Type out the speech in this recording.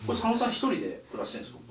１人で暮らしてるんですか。